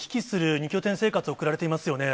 ２拠点生活を送られていますよね。